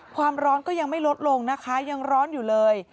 ความร้อนก็ยังไม่ลดลงนะคะยังร้อนอยู่เลย